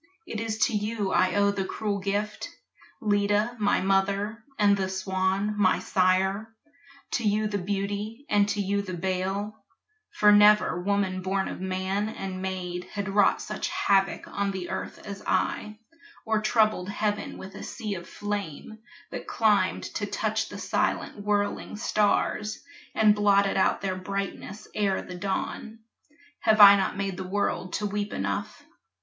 It is to you I owe the cruel gift, Leda, my mother, and the Swan, my sire, To you the beauty and to you the bale; For never woman born of man and maid Had wrought such havoc on the earth as I, Or troubled heaven with a sea of flame That climbed to touch the silent whirling stars And blotted out their brightness ere the dawn. Have I not made the world to weep enough?